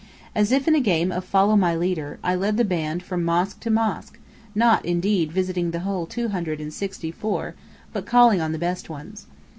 As if in a game of "Follow my Leader," I led the band from mosque to mosque; not indeed visiting the whole two hundred and sixty four, but calling on the best ones.